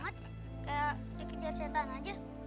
kayak dikejar setan aja